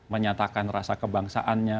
menyatakan rasa kebangsaannya